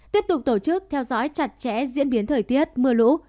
tiếp tục tổ chức theo dõi chặt chẽ diễn biến thời tiết mưa lũ